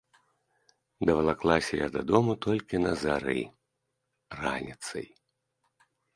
Давалаклася я дадому толькі на зары, раніцай.